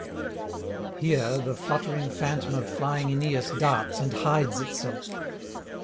Here the fluttering phantom of flying Aeneas darts and hides itself.